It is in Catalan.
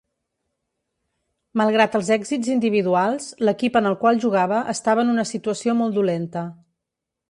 Malgrat els èxits individuals, l'equip en el qual jugava estava en una situació molt dolenta.